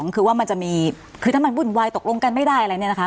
คือว่ามันจะมีคือถ้ามันวุ่นวายตกลงกันไม่ได้อะไรเนี่ยนะคะ